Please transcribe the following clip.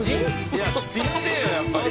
いやちっちぇえよやっぱり。